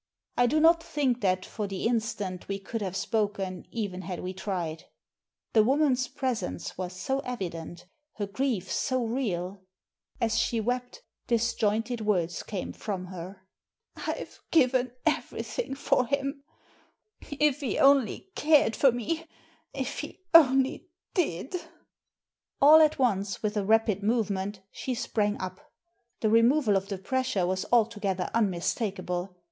I do not think that, for the instant, we could have spoken even had we tried. The woman's presence was so evident, her grief so real. As she wept disjointed words came from her. Digitized by VjOOQIC 280 THE SEEN AND THE UNSEEN " I've given everything for him ! If he only carec for me ! If he only did All at once, with a rapid movement, she sprarg up. The removal of the pressure was altogether unmistakable.